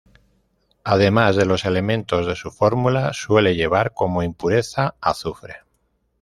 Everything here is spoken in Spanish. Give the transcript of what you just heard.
Además de los elementos de su fórmula, suele llevar como impureza azufre.